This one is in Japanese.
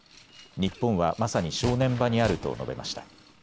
日本はまさに正念場にあると述べました。